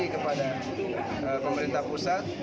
kepada pemerintah pusat